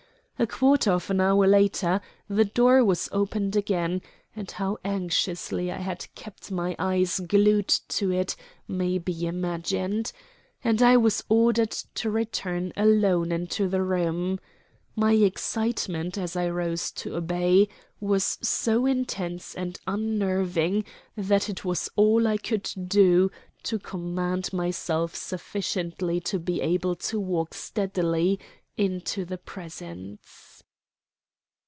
A quarter of an hour later the door was opened again and how anxiously I had kept my eyes glued to it may be imagined and I was ordered to return alone into the room. My excitement, as I rose to obey, was so intense and unnerving that it was all I could do to command myself sufficiently to be able to walk steadily into the presence.